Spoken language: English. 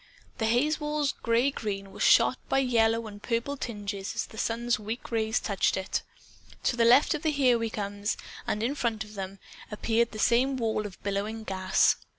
The hazewall's gray green was shot by yellow and purple tinges as the sun's weak rays touched it. To the left of the Here We Comes, and then in front of them, appeared the same wall of billowing gas.